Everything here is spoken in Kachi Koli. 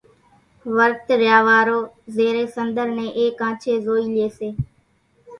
ورت ريا وارو زيرين سنۮر نين ايڪ آنڇين زوئي لئي سي۔